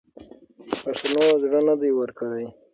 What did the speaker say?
پښتنو زړه نه دی ورکړی.